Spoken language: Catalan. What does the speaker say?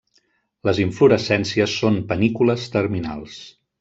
Les inflorescències són panícules terminals.